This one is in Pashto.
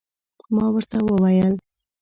ما ورته وویل